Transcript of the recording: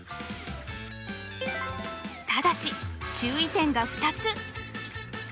ただし注意点が２つ。